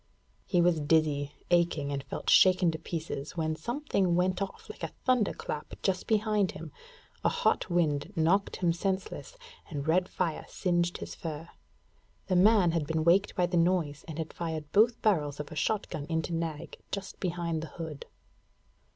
He was dizzy, aching, and felt shaken to pieces when something went off like a thunderclap just behind him; a hot wind knocked him senseless, and red fire singed his fur. The man had been wakened by the noise, and had fired both barrels of a shot gun into Nag just behind the hood.